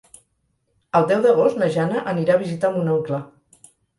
El deu d'agost na Jana anirà a visitar mon oncle.